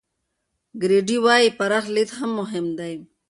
ګرېډي وايي، پراخ لید مهم دی.